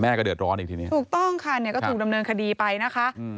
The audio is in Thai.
เดือดร้อนอีกทีนี้ถูกต้องค่ะเนี่ยก็ถูกดำเนินคดีไปนะคะ